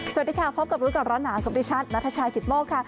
สวัสดีค่ะพบกับรู้ก่อนร้อนหนาวกับดิฉันนัทชายกิตโมกค่ะ